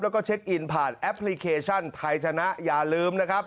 แล้วก็เช็คอินผ่านแอปพลิเคชันไทยชนะอย่าลืมนะครับ